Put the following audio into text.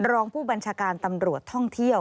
รองผู้บัญชาการตำรวจท่องเที่ยว